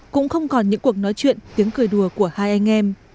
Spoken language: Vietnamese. cũng không còn những cuộc nói chuyện tiếng cười đùa của hai anh em